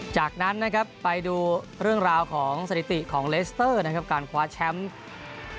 จากนั้นนะครับไปดูเรื่องราวของสถิติของเลสเตอร์นะครับการคว้าแชมป์